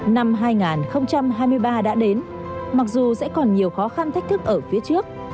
năm hai nghìn hai mươi ba đã đến mặc dù sẽ còn nhiều khó khăn thách thức ở phía trước